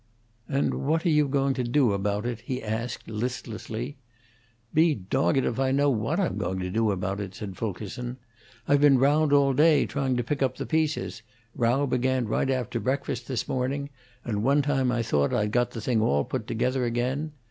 "And what are you going to do about it?" he asked, listlessly. "Be dogged if I know what I'm going to do about it," said Fulkerson. "I've been round all day, trying to pick up the pieces row began right after breakfast this morning and one time I thought I'd got the thing all put together again.